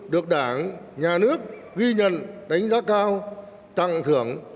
được đảng nhà nước ghi nhận đánh giá cao tặng thưởng